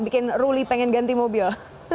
bikin ruli pengen ganti mobil